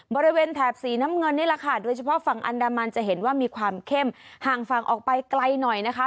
แถบสีน้ำเงินนี่แหละค่ะโดยเฉพาะฝั่งอันดามันจะเห็นว่ามีความเข้มห่างฝั่งออกไปไกลหน่อยนะคะ